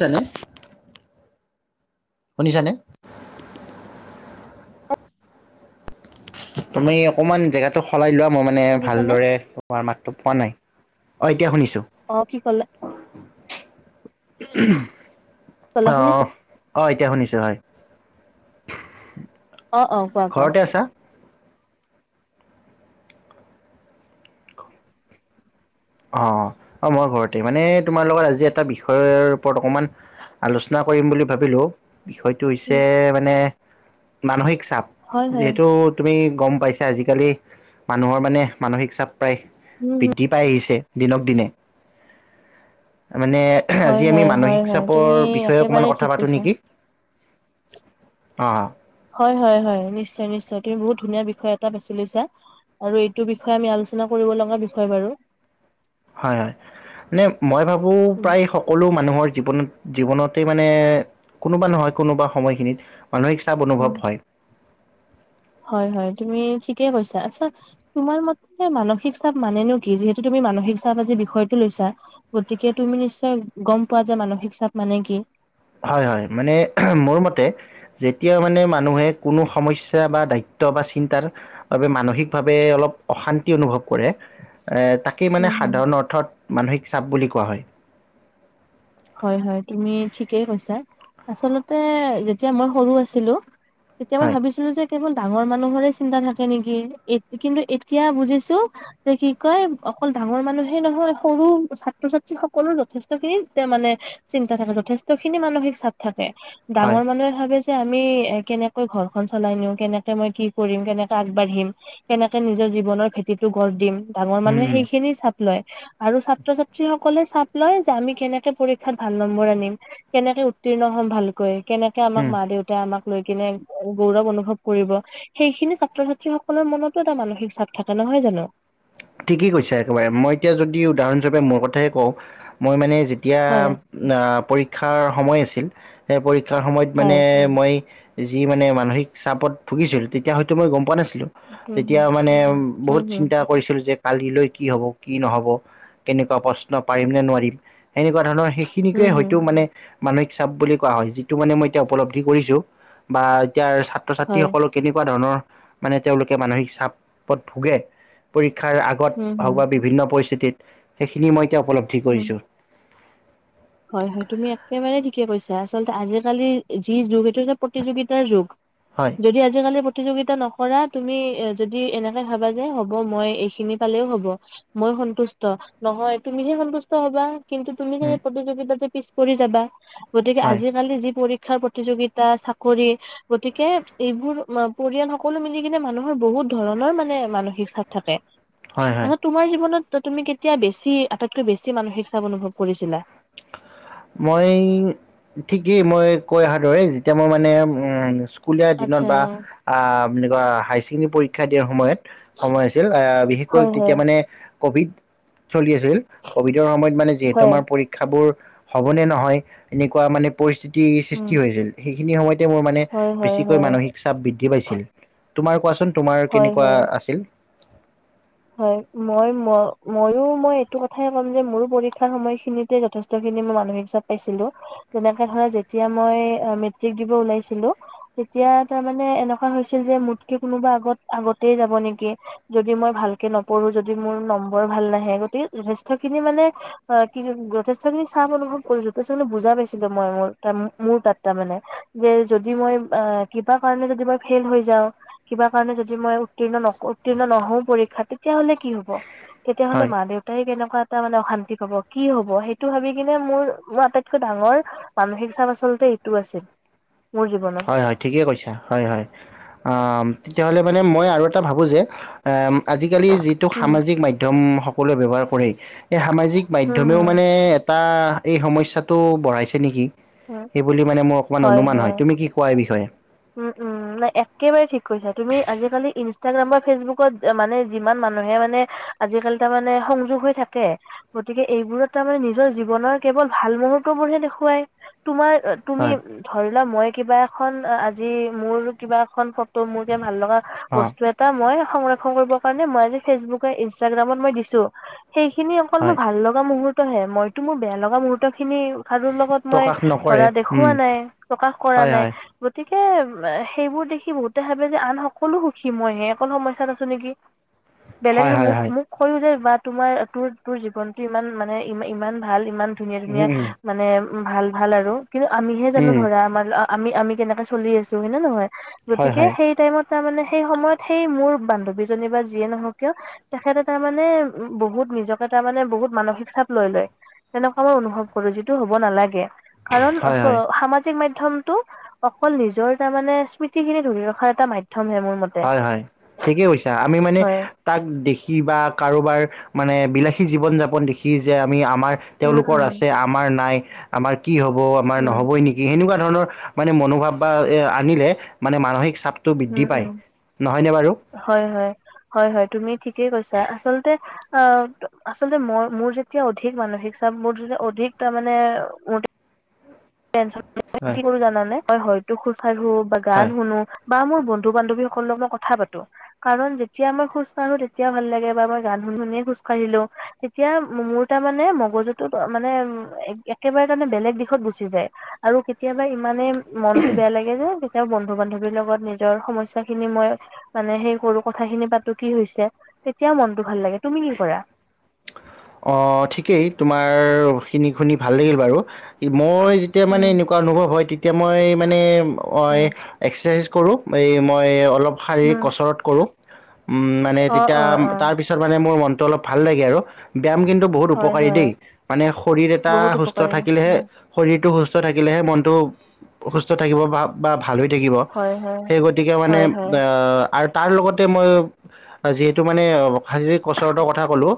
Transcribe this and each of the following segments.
জানে শুনিছানে? তুমি অকমান জেগাটো সলাই লোৱা মই মানে শুনিছানে? ভালদৰে [unintelligible] পোৱা নাই? অ' এতিয়া শুনিছো অ', কি কলে? [inaudible] অহ! অ', এতিয়া শুনিছো হয়। [inaudible] অ অ কোৱা কোৱা [inaudible] ঘৰতে আছা অ অ মই ঘৰতে মানে তোমাৰ লগত আজি এটা বিষয়ৰ ওপৰত অকমান আলোচনা কৰিম বুলি ভাবিলো [inaudible] বিষয়টো হৈছে উম, মানে মানসিক হয় হয়। যিহেতু তুমি গম পাইছে আজিকালি মানুহৰ মানে মানসিক চাপ প্ৰায় উম হুম। বৃদ্ধি পাই আহিছে দিনক দিনে [inaudible] মানে হয় আজি আমি হয় হয় মানসিক হয়। চাপৰ তুমি বিষয়ে অকণমান একেবাৰে কথা ঠিক পাতো কৈছা। নেকি। অ। হয় হয় হয়, নিশ্চয়- নিশ্চয় তুমি বহুত ধুনীয়া বিষয় এটা বাছি লৈছা আৰু এইটো বিষয়ে আমি আলোচনা কৰিব লগা বিষয় বাৰু। হয় হয়, মানে মই ভাবো উম। প্ৰায় সকলো মানুহৰ জীৱনত। জীৱনতে মানে কোনোবা নহয় কোনোবা সময়খিনিত। মানসিক চাপ উম, অনুভৱ হয়। হয় হয় তুমি ঠিকেই কৈছা, আচ্ছা তোমাৰ মতে মানসিক চাপ মানেনো কি যিহেতু তুমি মানসিক চাপ আজি বিষয়টো লৈছা গতিকে তুমি নিশ্চয় গম পোৱা যে মানসিক চাপ মানে কি। হয় হয় মানে মোৰ মতে যেতিয়া মানে মানুহে কোনো সমস্যা বা দায়িত্ব বা চিন্তাৰ বাবে মানসিকভাৱে অলপ অশান্তি অনুভৱ কৰে। এ তাকেই উম মানে হুম। সাধাৰণ অৰ্থত মানসিক চাপ বুলি। কোৱা হয়। হয় হয় তুমি ঠিকেই কৈছা, আচলতে যেতিয়া মই সৰু আছিলোঁ। তেতিয়া মই হয় ভাবিছিলো যে কেৱল ডাঙৰ মানুহৰে চিন্তা থাকে নেকি, কিন্তু এতিয়া বুজিছোঁ যে কি কয় অকল ডাঙৰ মানুহে নহয় সৰু ছাত্ৰ- ছাত্ৰী সকলো যথেষ্ট খিনি। মানে চিন্তা থাকে, যথেষ্ট খিনি মানসিক চাপ থাকে। হয় ডাঙৰ মানুহে ভাবে। যে আমি এ কেনেকৈ ঘৰখন চলাই নিও কেনেকে মই কি কৰিম, কেনেকে আগবাঢ়িম কেনেকে নিজৰ জীৱনৰ ভেটিটো গঢ় দিম। ডাঙৰ উম মানুহে উম সেইখিনি চাপ লয়। আৰু ছাত্ৰ - ছাত্ৰী সকলে চাপ লয় যে আমি কেনেকে। পৰীক্ষাত ভাল নম্বৰ আনিম, কেনেকে উত্তীৰ্ণ হম ভালকৈ। কেনেকে আমাক উম মা দেউতাই আমাক লৈ কিনে গৌৰৱ অনুভৱ কৰিব। সেইখিনি ছাত্ৰ-ছাত্ৰীসকলৰ মনতো এটা মানসিক চাপ থাকে, নহয় জানো? ঠিকেই কৈছা একেবাৰে। মই এতিয়া যদি উদাহৰণ হিচাপে মোৰ কথায়ে কওঁ, মই মানে যেতিয়া হয় অ'- পৰী ক্ষাৰ সময় আছিল, সেই পৰী ক্ষাৰ সময়ত মানে হয় মই যি মানে মানসিক চাপত ভুগিছিল, তেতিয়া হয়তো মই গম পোৱা নাছি লোঁ। উম তেতিয়া হম মানে বহুত চি হম হৈছিল যে কালিলৈ কি হ'ব, কি নহ'ব? কেনেকুৱা প্ৰশ্ন? পাৰিম নে নোৱাৰিম? সেনেকুৱা ধৰণৰ সেইখিনিকে হম হম হয়তো হম মানে মানসিক চাপ বুলি কোৱা হয়, যিটো মানে মই এতিয়া উপলব্ধি কৰিছোঁ। বা এতিয়াৰ হয় ছাত্ৰ-ছাত্ৰীসকল কেনেকুৱা ধৰণৰ মানে তেওঁলোকে মানসিক চাপত ভোগে। পৰী ক্ষাৰ হম আগত হম হওঁক বা বিভিন্ন পৰি স্থিতিত সেইখিনি মই এতিয়া উপলব্ধি উম কৰিছোঁ। হয়, হয়! তুমি একেবাৰে ঠিকে কৈছা। আচলতে, আজিকালি যি যুগ এইটো যে প্ৰতিযোগিতাৰ যুগ। হয় যদি আজিকালি, প্ৰতিযোগিতা নকৰা। তুমি যদি, এনেকে ভাবা যে, হ'ব, মই এইখিনি পালেও হ'ব, মই সন্তুষ্ট। নহয়, তুমিহে সন্তুষ্ট হ'বা। কিন্তু, তুমি যে প্ৰতিযোগিতা যে পিছ পৰি যাবা। গতিকে, হয় আজিকালি যি পৰী ক্ষাৰ প্ৰতিযোগিতা, চাকৰি। গতিকে, এইবোৰ পৰিয়াল সকলো মিলি কিনে, মানুহৰ বহুত ধৰণৰ মানে, মানসিক চাপ থাকে। হয় হয় অ' তোমাৰ জীৱনত ত' তুমি কেতিয়া বেছি, আটাইতকৈ বেছি মানসিক চাপ অনুভৱ কৰিছিলা? মই ঠিকেই, মই কৈ অআহাৰ দৰে। যেতিয়া, মই মানে, উম! স্কুলীয়া দিনত আচ্ছা বা আঁ বুলি কয়, হাইছেকেণ্ডৰী পৰীক্ষা দিয়াৰ সময়ত, সময় আছিল। বিশেষকৈ হয় তেতিয়া হয় মানে, ক'ভিড চলি আছিল। ক'ভিডৰ সময়ত মানে, যিহেতু হয় আমাৰ পৰীক্ষাবোৰ হ'বনে নহয়, এনেকুৱা মানে, পৰিস্থিতি তি উম সৃষ্টি হৈছিল। খিনি সময়ত মোৰ মানে হয় হয় বেছিকৈ হয় মানসিক চাপ বৃদ্ধি পাইছিল। তোমাৰ কোৱাচোন? তোমাৰ হয় কেনেকুৱা হয় আছিল? হয়, মই ম মইয়ো মই এইটো কথাই কম যে মোৰো পৰীক্ষাৰ সময়খিনিতে যথেষ্টখিনি মানসিক চাপ পাইছিলোঁ। যেনেকে ধৰা যেতিয়া মই মেট্ৰিক দিব ওলাইছিলোঁ, তেতিয়া তাৰ মানে এনেকুৱা হৈছিল যে মোতকে কোনোবা আগত আগতেই যাব নেকি যদি মই ভাল কে নপঢ়ো যদি মোৰ নম্বৰ ভাল নাহে। গতিকে, যথেষ্ট খিনি মানে অ' কি যথেষ্ট খিনি চাপ অনুভৱ কৰিছোঁ। যথেষ্টখিনি বুজা পাইছিলোঁ মই মোৰ মোৰ তাত তাৰ মানে যে যদি মই আহ কিবা কাৰণে যদি মই ফেইল হৈ যাওঁ, কিবা কাৰণে যদি মই উত্তীৰ্ণ উত্তীৰ্ণ নহওঁ পৰীক্ষাত তেতিয়া হ'লে কি হ'ব? তেতিয়াহ'লে হয়, মা দেউতাই কেনেকে এনেকোৱা এটা মানে অশান্তি হ'ব, কি হ'ব সেইটো ভাবি কিনে মোৰ মোৰ আটাইতকৈ ডাঙৰ মানসিক চাপ আচলতে এইটো আছিল। মোৰ জীৱনত। হয়, হয় ঠিকেই কৈছা, হয়, হয় অ' তেতিয়াহ'লে মানে মই আৰু এটা ভাবোঁ যে আহ আজিকালি যিটো উম, সামাজিক মাধ্যম সকলোৱে ব্যৱহাৰ কৰে এই সামাজিক উম, মধ্যমেও উম, মানে টা এই সমস্যাটো বঢ়াইছে নেকি উম। এই বুলি মানে মোৰ অকণমান অনুমান হয় কি কোৱা এই বিষয়ে উম উম নাই একেবাৰে ঠিক কৈছা তুমি আজিকালি ইনষ্টাগ্ৰাম বা ফেচবুকত মানে যিমান মানুহে মানে আজিকালি তাৰ মানে সংযোগ হৈ থাকে গতিকে এইবোৰত তাৰ মানে নিজৰ জীৱনৰ কেৱল ভাল মুহূৰ্তবোৰ হে দেখুৱায় তোমাৰ তুমি হয়, ধৰি লোৱা মই কিবা এখন আজ যি মোৰ কিবা এখন ফ টো মোৰ যে ভাল লগা অ', বস্তু এটা মই সংৰক্ষণ কৰিব কাৰণে মই আজি ফেচবুক ইনষ্টাগ্ৰামত মই দিছো সেইখিনি অকল মই হয়। ভাল লগা মুহুত তহে মইতো মোৰ বেয়া লগা মুহৰ্তখিনি কাৰো লগত মই প্ৰকাশ নকৰে। ধৰা দেখওৱা উম, নাই প্ৰকাশ কৰা হয়, নাই। হয়। বত একে সেইবোৰ দেখি বহুতে ভাবে যে আন সকলো সুখী মই সে অকল সমস্যাত আছো নেকি? হয়, বেলেগে হয়, মুখ হয়। মুখ হৈও যে বাত তোমাৰ তোৰ তোৰ জীৱনতটো ইমান মানে ই ইমান ভাল ইমান ধুনীয়া উম, ধুনীয়া উম, মানে উ ভাল ভাল আৰু। কিন্তু আমিহে জানো উম, ধৰা আমাৰ আমি আমি কেনেকাছ চলি আছো হয় নে নহয়। হয়, গতিকে হয়। সেই টাইমত তাৰ মানে সেই সময়ত সেই মোৰ বান্ধৱীজনী বা যিয়ে নহওক কিয় তেখেত তাৰ মানে বহুত নিজকে তাৰ মানে বহুত মানসিক চাপ লৈ লয়। তেনেকুৱা মই অনুভৱ কৰো যিটো হব নালাগে। কাৰণ হয়, চ হয়। সামাজিক মাধ্য ধ্যমটো অ কল নিজৰ তাৰ মানে স্মৃতিখিনি ধৰি ৰখাৰ এটা মাধ্য হয় হয় ঠিকেই কৈছা আমি মানে হয় তাক দেখি বা কাৰোবাৰ মানে বিলাসী জীৱন যাপন দেখি যে আমি আ আমাৰ উম তেওঁলোকৰ উম আছে আমাৰ নাই আমাৰ কি হ'ব আমাৰ উম নহবই নেকি এনেকুৱা ধৰণৰ মানে মনোভাৱ বা এ আনিলে মানে মানসিক চাপ টো বৃদ্ধি উম, পায়। উম, হয়, হয়, হয়, হয় তুমি ঠিকেই কৈছা, আচলতে আহ আচলতে মই মোৰ যেতিয়া অধিক মানসিক চাপ মোৰ যেতিয়া অধিক তাৰ মানে টেনশ্যন হয় মই কি কৰোঁ জানানে? হয়, হয়তোঁ খুজ [inaudible] বা গান হয় শুনো। বা মোৰ বন্ধু বান্ধৱীসকলক মই কথা পাতো কাৰণ যেতিয়া মই খোজ কাঢ়ো তেতিয়া ভাল লাগে বা মই গান শুনি শুনিয়ে খোজ কাঢ়িলো। তেতিয়া মোৰ তাৰ মানে মগজুটোত মানে একেবাৰে তাৰে বেলেগ দিশত গুচি। আৰু কেতিয়াবা ইমানে। মনতটো বেয়া লাগে যে তেওঁ বন্ধু বান্ধৱীৰ লগত নিজৰ সমস্যা খিনি মই মানে, সেই কৰো কথাখিনি পাতো কি হৈছে। তেতিয়া মনটো ভাল লাগে। তুমি কি কৰা? অ' ঠিকেই, তোমাৰ খিনি শুনি ভাল লাগিল বাৰু- মই যেতিয়া মানে উম এনেকুৱা অনুভৱ হয়, তেতিয়া- মই- মানে মই উম এক্সেজ। কৰো। এই মই অলপ- শাৰীৰিক উম কচৰত কৰোঁ। মানে অ তেতিয়া, অ অ তাৰপিছত মানে মোৰ মন- ত ' অলপ ভাল লাগে আৰু- ব্যায়াম কিন্তু বহুত হয় উপকাৰী হয় দেই, মানে শৰীৰ এটা বহুত সুস্থ উপকাৰী থাকিলেহে, উম, শৰীৰতটো সুস্থ- সুস্থ থাকিলেহে মনটো সুস্থ থাকিব বা, বা- ভাল হৈ থাকিব। হয় হয় সেই গতিকে মানে হয় হয় আৰ- তাৰ লগতে মই যিহেতু মানে- শাৰীৰিক কচৰতৰ কথা কলো।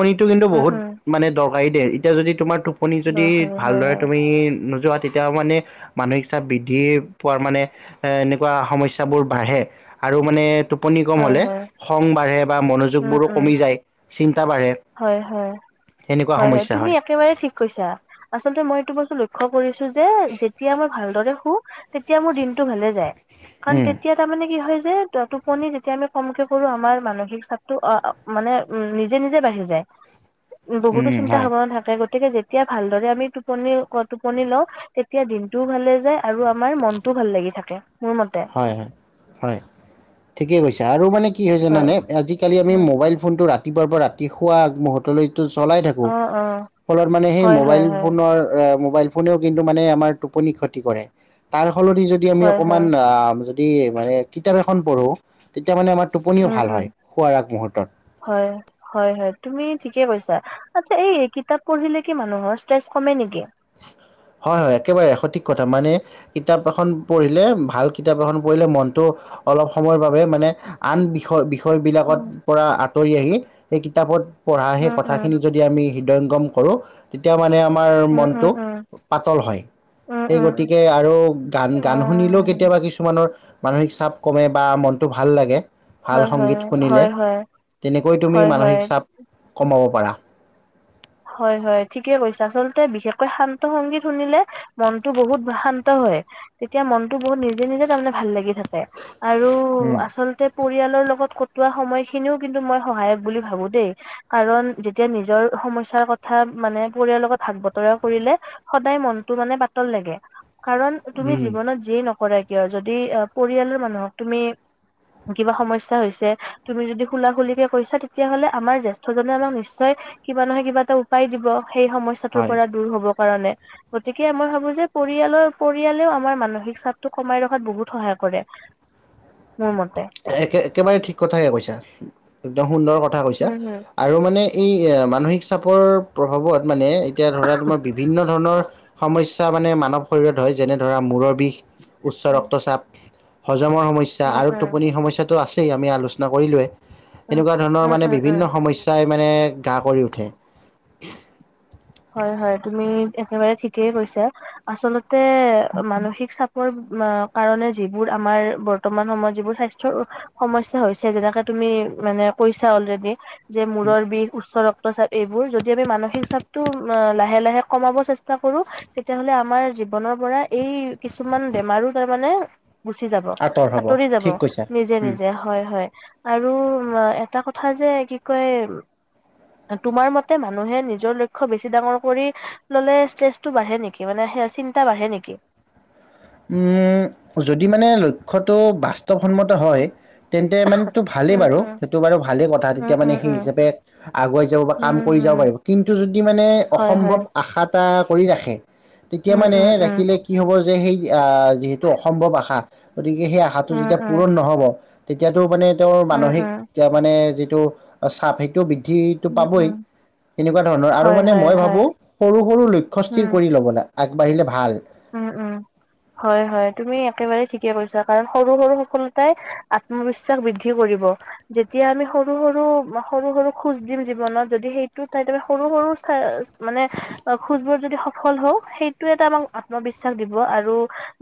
শৰীৰ কিন্তু উম বহুত উম মানে- কাৰী দে এতিয়া যদি তোমাৰ আপুনি যদি দৰকাৰী হয় ভালদৰে হয় তুমি নোযোৱাত, তেতিয়া মানে মানসিক চাপ বৃদ্ধি পোৱাৰ মানে এনেকুৱা সমস্যাবোৰ বাঢ়ে আৰু মানে টোপনি কম হয় হলে হয় খং বাঢ়ে বা উম মনোযোগবোৰো উম কমি যায়। বাঢ়ে হয় হয় সেনেকুৱা হয় হয় সমস্যা তুমি একেবাৰে ঠিক কৈছা আচলতে মইটো ব- লক্ষ্য কৰিছো যে যেতিয়া মই ভালদৰে শু তেতিয়া মোৰ দিনতটো ভালে যায়। কাৰণ উম তেতিয়া তাৰমানে কি হয়। যে টোপনি যেতিয়া আমি কমকে কৰো আমাৰ মানসিক চাপটো অ মানে উম নিজে নিজে বাঢ়ি যায়। বহুতো উম চিন্তা হয় ভাৱনা থাকে গ গতিকে যেতিয়া ভালদৰে আমি টোপনি [unintelligible] টোপনি লওঁ, তেতিয়া দিনটোও ভালে যায় আৰু আমাৰ মনটোও ভাল লাগি থাকে। মোৰ মতে হয়, হয়, ঠিকেই কৈছা আৰু মানে কি হয় জানানে? আজিকালি আমি উম মোবাইল ফোনটো ৰা ৰাতিপুৱাৰ পৰা ৰাতি শুৱা আগমুহূৰ্তলৈকে তো চলাই অ থাকোঁ। অ ফলত মানে সেই হয় মোবাইল হয় হয় ফোনৰ [unintelligible] মোবাইল ফোনেও কিন্তু মানে আমাৰ টোপনি ক্ষতি কৰে! তাৰ সলনি যদি আমি হয়, অকমান হয়, [unintelligible] যদি মানে, কিতাপ এখন পঢ়ো তেতিয়া মানে, আমাৰ টোপনিও উম, ভাল উম, হয় শোৱাৰ আগমুহূৰ্তত হয়, হয়, হয়, তুমি ঠিকে কৈছা। আচ্ছা, এই কিতাপ পঢ়িলে কি মানুহৰ ষ্ট্ৰেচ কমে নেকি? হয় হয়, একেবাৰে সঠিক কথা। মানে কিতাপ এখন পঢ়িলে, ভাল কিতাপ এখন পঢ়িলে মনটো অলপ সময়ৰ বাবে মানে, আন বিষয় বিষয় বিলাকত উম, পৰা আঁতৰি আহি সেই কিতাপত পঢ়া সেই উম, উম, কথাখিনি যদি আমি হৃদয়ংগম কৰো তেতিয়া মানে আমাৰ উম, মন উম, উম, [unintelligible] পাতল হয়। উম, সেই উম, গতিকে আৰু গান-গান শুনিলেওঁ অ', কেতিয়াবা কিছুমানৰ মানসিক চাপ কমে বা মনটো ভাল লাগে। ভাল হয়, সংগীত হয়, শুনিলে, হয়, হয়, তেনেকৈ তুমি হয়, হয়। মানসিক চাপ কমাব [unintelligible] হয় হয়, ঠিকে কৈছে আচলতে বিশেষকৈ শান্ত সংগীত শুনিলে মনটো বহুত শান্ত হয়। তেতিয়া মনটো বহুত নিজে নিজে তাৰমানে ভাল লাগি থাকে। আৰু আচলতে পৰিয়ালৰ লগত কটোৱা সময় খিনিও কিন্তু মই সহায়ক বুলি ভাবো দেই। কাৰণ যেতিয়া নিজৰ সমস্যা [unintelligible] কথা মানে পৰিয়ালৰ লগত ভাগ বতৰা কৰিলে, সদায় মনটো মানে পাতল লাগে। কাৰণ তুমি উম জীৱনত যিয়েই নকৰা কিয় যদি, অ', পৰিয়ালৰ মানুহক তুমি কিবা সমস্যা হৈছে, তুমি যদি খুলা খুলিকে কৈছা তেতিয়াহলে আমাৰ জ্যেষ্ঠজনে আমাক নিশ্চয় কিবা নহয় কিবা [unintelligible] উপায় দিব। সেই সমস্যাটোৰ হয় পৰা দূৰ হ'ব কাৰণে, গতিকে মই ভাবো যে পৰিয়ালৰ, পৰিয়ালেও আমাৰ মানসিক চাপটো কমাই ৰখাত বহুত সহায় কৰে। মোৰ মতে একে-একেবাৰে ঠিক কথাই কৈছা। একদম সুন্দৰ কথ [unintelligible] কৈছা উম, হুম, আৰু মানে এই মানসিক চাপৰ প্ৰভাৱত মানে এতিয়া ধৰা তোমাৰ বিভিন্ন ধৰণৰ সমস্যা তা মানে মানৱ শৰীৰত হয় যেনে ধৰা মূৰৰ বিষ উচ্চ উম, ৰক্তচাপ জমা সমস্যা উম, আৰু উম, টোপনি সমস্যাত তো আছেই আমি আলোচনা কৰিলোৱে উম, এনেকুৱা ধৰণৰ উম, মানে উম, উম। বিভিন্ন সমস্যাই মানে গা কৰি উঠে। [unintelligible] হয়, হয় তুমি একেবাৰে ঠিকেই কৈছা। আচলতে মানসিক চাপৰ কাৰণে যিবোৰ আমাৰ বৰ্তমান সময়ত যিবোৰ স্বাস্থ্যৰ সমস্যা হৈছে, যেনেকে তুমি মানে কৈছা অলৰেডি। যে মূৰৰ বিষ, উচ্চ ৰক্ তচা এইবোৰ, যদি আমি মানসিক চাপ তো লাহে লাহে কমাব চেষ্টা কৰো, তেতিয়াহলে আমাৰ জীৱনৰ পৰা এই কিছুমান বেমাৰো তাৰমানে- গুচি যাব, আঁতৰ হ'ব আঁতৰি যাব ঠিক কৈছা। নিজে, নিজে হয়, হয়। আৰু এটা কথা যে, কি কয় তোমাৰ মতে মানুহে নিজৰ লক্ ক্ষ বেছি ডাঙৰ কৰি ললে ষ্ট্ৰেচটো বাঢ়ে নেকি? মানে চিন্তা বাঢ়ে নেকি? উম' যদি মানে লক্ষ্যটো বাস্তৱসন্মত হয় তেন্তে মানেটো ভালেই উম, বাৰু উম। সেইটো বাৰু ভালেই কথা উম, তেতিয়া মানে উম, সেই উম, হিচাপে আগুৱাই যাব বা কাম উম, কৰি যাব। উম, পাৰিব কিন্তু যদি মানে হয়, হয়, অসম্ভৱ আশাত- এটা কৰি ৰাখে। তেতিয়া উম, মানে, উম, উম, ৰাখিলে কি হব- যে সেই- আহ যিহেতু অসম্ভ আশা- গতিকে সেই আশাটো উম, যেতিয়া উম। পূৰণ নহ'ব- তেতিয়াতো মানে- তেওঁৰ উম, মানসিক, উম, মানে যিটো- চাপ সেইটো বি- বৃদ্ধিটো উম, পাবই, উম, এনেকুৱা ধৰণৰ আৰু হয়, মানে হয়, মই হয়, ভাবো সৰু সৰু লক্ষ্য স্থিৰ উম, কৰি ল'ব লাগে। আগবাঢ়িলে ভাল। উম' উম' হয়, হয় তুমি একেবাৰেই ঠিকে কৈছা, কাৰণ সৰু-সৰু সফলতাই আত্মবিশ্বাস বৃদ্ধি কৰিব, যেতিয়া আমি সৰু-সৰু, সৰু-সৰু খোজ দিম জীৱনত, যদি সেইটো ঠাইত আমি সৰু-সৰু মানে খোজবোৰ যদি সফল হওঁ' সেইটো এটা আমাক- আত্মবিশ্বাস দিব। আৰু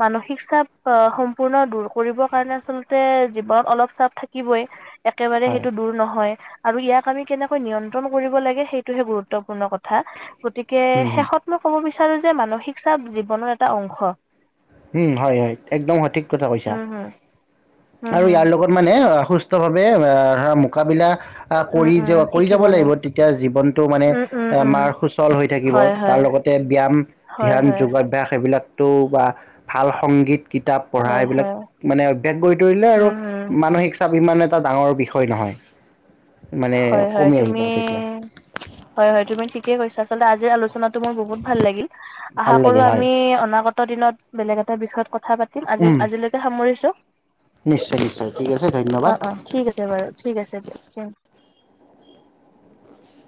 মানসিক চাপ আহ সম্পূৰ্ণ দূৰ কৰিবৰ কাৰণে আচলতে জীৱনত অলপ চাপ থাকিবই। একেবাৰে হয় সেইটো দূৰ নহয়। আৰু ইয়াক আমি কেনেকৈ নিয়ন্ত্ৰণ কৰিব লাগে সেইটোহে গুৰুত্বপূৰ্ণ কথা। গতিকে, উম হম শেষত মই ক'ব বিচাৰ- বিচাৰো যে মানসিক চাপ- বন এটা অংশ- [inaudible] উম' হয়, হয় একদম সঠিক কথা কৈছা, উম, হুম। উম আৰু হম ইয়াৰ লগত মানে- সুস্থভাৱে ধৰা মোকাবিলা- আহ' উম কৰি য উম কৰি যাব শিকিবলৈ লাগিব। তেতিয়া জীৱনটো মানে উম উম উম মাৰ সুচল হৈ থাকিব। হয় হয় তাৰ লগতে ব্যায়াম, হয় ধ্যান, হয় যোগাভ্যাস এইবিলাক- তৌ বা- ভাল সংগীত- কিতাপ পঢ়া হয় এইবিলাক হয় মানে অভ্যাস কৰি তৰিলে আৰু উম হম মানসিক চাপ ইমানে- এটা ডাঙৰ বিষয় নহয়। মানে হয় হয় কমি আহিব তুমি তেতিয়া হয় হয় তুমি ঠিকে কৈছা। আজি আলচনাত মোৰ বহুত ভাল লাগিল, ভাল আশা কৰো লাগিল হয় আমি অনাগত দিনত বেলেগ এটা বিষয়ত ক কথা পাতিম, আজি- উম আজিলৈকে সামৰিছো। নিশ্চয় নিশ্চয় ঠিক আছে ধন্যবাদ অ' অ' ঠিক আছে বাৰু ঠিক আছে দিয় থ [inaudible]